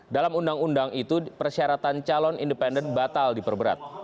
dalam undang undang itu persyaratan calon independen batal diperberat